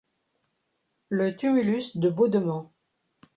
Le tumulus de Baudement.